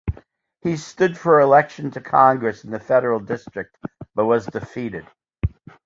He stood for election to Congress in the Federal District but was defeated.